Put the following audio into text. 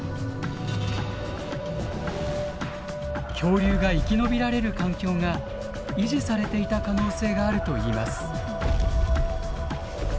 恐竜が生き延びられる環境が維持されていた可能性があるといいます。